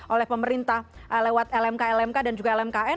oleh pemerintah lewat lmk lmk dan juga lmkn